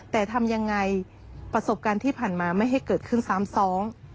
แต่ทำยังไงประสบการณ์ที่ผ่านมาไม่ให้เกิดขึ้นซ้ำซ้อน